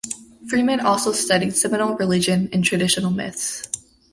Freeman also studied Seminole religion and traditional myths.